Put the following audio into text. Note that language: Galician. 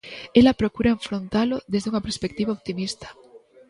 Ela procura enfrontalo desde unha perspectiva optimista.